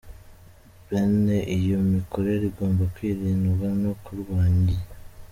Bene iyo mikorere igomba kwirindwa no kurwanywa."